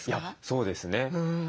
そうですね。